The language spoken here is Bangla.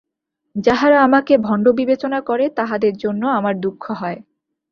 যাহারা আমাকে ভণ্ড বিবেচনা করে, তাহাদের জন্য আমার দুঃখ হয়।